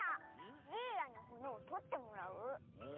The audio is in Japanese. じいやにほねをとってもらう？